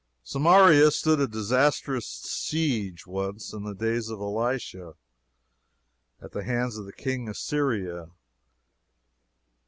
Samaria stood a disastrous siege, once, in the days of Elisha, at the hands of the King of Syria.